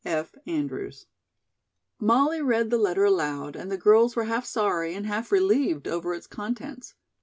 "F. ANDREWS." Molly read the letter aloud and the girls were half sorry and half relieved over its contents.